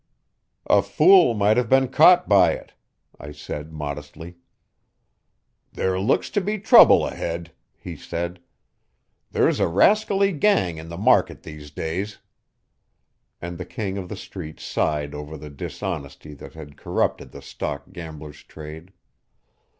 "A fool might have been caught by it," I said modestly. "There looks to be trouble ahead," he said, "There's a rascally gang in the market these days." And the King of the Street sighed over the dishonesty that had corrupted the stock gamblers' trade.